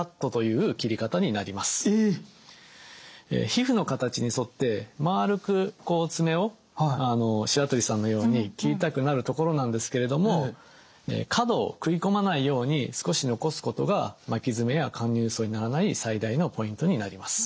皮膚の形に沿って丸くこう爪を白鳥さんのように切りたくなるところなんですけれども角をくいこまないように少し残すことが巻き爪や陥入爪にならない最大のポイントになります。